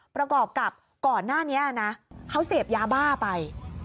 ประกอบกับก่อนหน้านี้นะเขาเสพยาบ้าไป